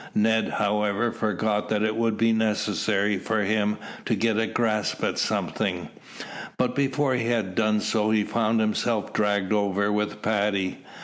Ned, however, forgot that it would be necessary for him to get a grasp at something; but before he had done so, he found himself dragged over with Paddy.